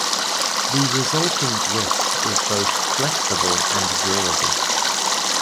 The resulting whip is both flexible and durable.